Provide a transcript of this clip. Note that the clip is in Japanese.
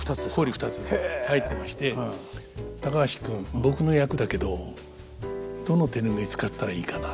入ってまして「高橋君僕の役だけどどの手拭い使ったらいいかな」